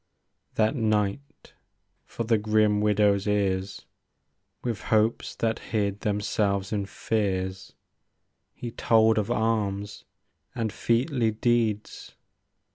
That night, for the grim widow's ears. With hopes that hid themselves in fears. He told of arms, and featly deeds.